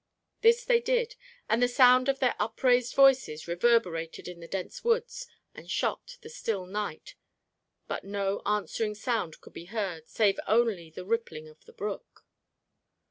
This they did and the sound of their upraised voices reverberated in the dense woods and shocked the still night, but no answering sound could be heard save only the rippling of the brook.